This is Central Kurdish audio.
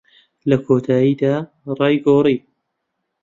لە کۆتاییدا، ڕای گۆڕی.